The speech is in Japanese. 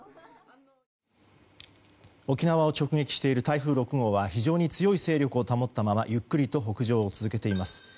沖縄を直撃している台風６号は非常に強い勢力を保ったままゆっくりと北上を続けています。